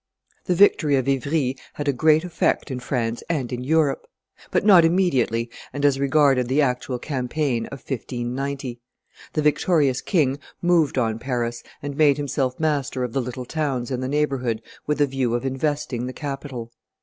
The victory of Ivry had a great effect in France and in Europe. But not immediately and as regarded the actual campaign of 1590. The victorious king moved on Paris, and made himself master of the little towns in the neighborhood with a view of investing the capital.